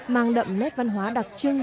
mang đậm nét văn hóa đặc trưng